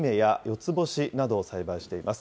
つぼしなどを栽培しています。